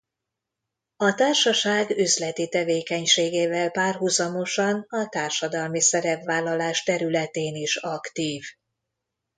A társaság üzleti tevékenységével párhuzamosan a társadalmi szerepvállalás területén is aktív.